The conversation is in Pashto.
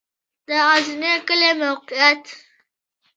د غزنی کلی موقعیت